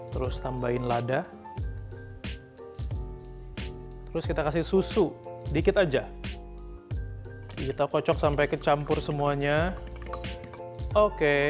terus tambahin lada terus kita kasih susu dikit aja kita kocok sampai kecampur semuanya oke